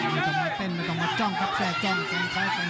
ไม่ต้องมาเต้นไม่ต้องมาจ้องครับแส่จ้องแส่จ้อง